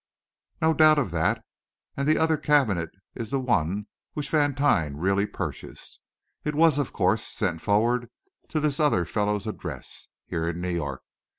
"No doubt of that; and the other cabinet is the one which Vantine really purchased. It was, of course, sent forward to this other fellow's address, here in New York.